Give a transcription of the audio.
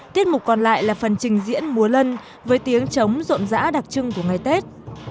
tiết mục còn lại là phần trình diễn múa lân với tiếng chống rộn rã đặc trưng của ngày tết